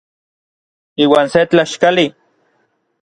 Iuan se tlaxkali.